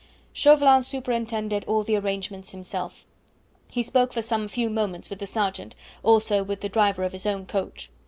Chauvelin superintended all the arrangements himself. He spoke for some few moments with the sergeant, also with the driver of his own coach.